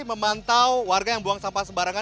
memantau warga yang buang sampah sembarangan